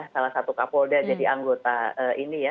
salah satu kapolda jadi anggota ini ya